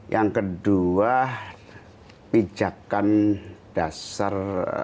yang kedua pijakan dasar